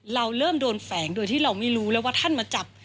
เราเริ่มโดนแฝงโดยที่เราไม่รู้แล้วว่าท่านมาจับ